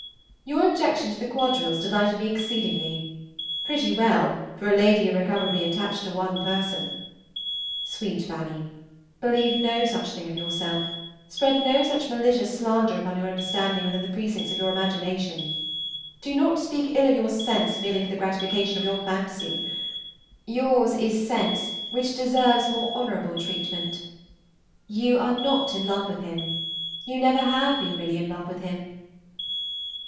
Your objection to the quadrilles delighted me exceedingly. Pretty well, for a lady irrecoverably attached to one person! Sweet Fanny, believe no such thing of yourself, spread no such malicious slander upon your understanding within the precincts of your imagination. Do not speak ill of your sense merely for the gratification of your fancy; yours is sense which deserves more honorable treatment. You are not in love with him; you never have been really in love with him.